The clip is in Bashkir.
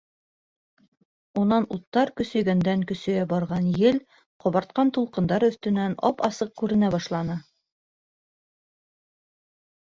Унан уттар көсәйгәндән-көсәйә барған ел ҡабартҡан тулҡындар өҫтөнән ап-асыҡ күренә башланы.